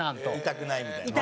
痛くないみたいな。